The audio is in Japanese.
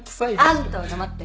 あんたは黙って。